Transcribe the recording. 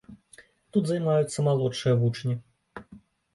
Тут займаюцца малодшыя вучні.